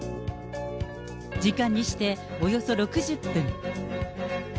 時間にしておよそ６０分。